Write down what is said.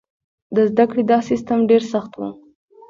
د زده کړې دا سیستم ډېر سخت و.